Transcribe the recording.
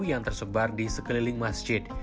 yang tersebar di sekeliling masjid